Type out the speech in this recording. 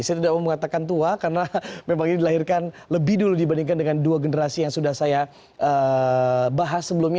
saya tidak mau mengatakan tua karena memang ini dilahirkan lebih dulu dibandingkan dengan dua generasi yang sudah saya bahas sebelumnya